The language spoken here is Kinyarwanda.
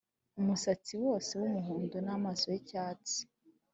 umusatsi wose wumuhondo namaso yicyatsi